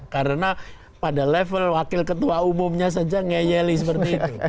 karena pada level wakil ketua umumnya saja ngeyeli seperti itu